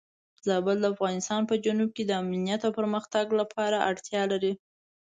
زابل د افغانستان په جنوب کې د امنیت او پرمختګ لپاره اړتیا لري.